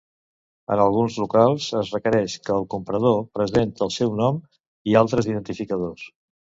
En alguns locals es requereix que el comprador present el seu nom i altres identificadors.